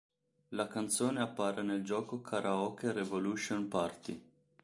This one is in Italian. La canzone appare nel gioco Karaoke Revolution Party.